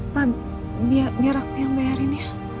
pak biar aku yang bayarin ya